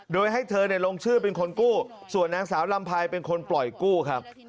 โดยให้เธอลงชื่อเป็นคนกู้ส่วนนางสาวลำไพรเป็นคนปล่อยกู้ครับ